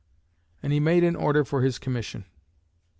And he made an order for his commission.